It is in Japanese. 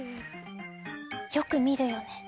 よく見るよね。